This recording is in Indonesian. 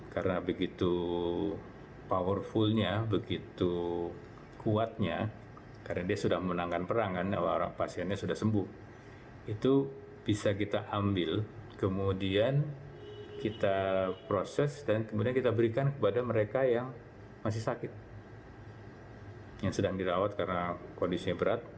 karena sudah memiliki zat antibody yang tinggi